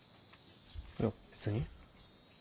いや別に。